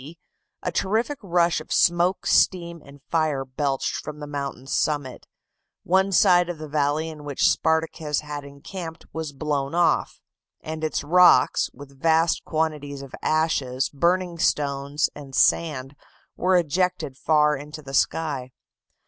D., a terrific rush of smoke, steam, and fire belched from the mountain's summit; one side of the valley in which Spartacus had encamped was blown off, and its rocks, with vast quantities of ashes, burning stones, and sand, were ejected far into the sky.